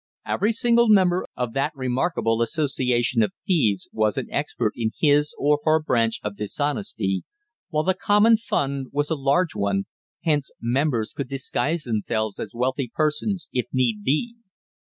Every single member of that remarkable association of thieves was an expert in his or her branch of dishonesty, while the common fund was a large one, hence members could disguise themselves as wealthy persons, if need be.